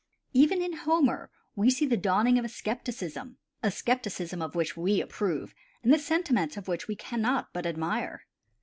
Even in Homer we see the dawning of skepticism, a skepticism of which we approve and the sentiment of which we cannot but admire.